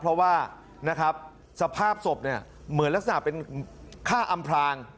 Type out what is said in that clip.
เพราะว่าสภาพศพเหมือนลักษณะเป็นฆ่าอำพลาง